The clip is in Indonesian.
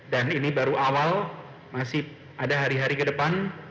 dan ini baru awal masih ada hari hari ke depan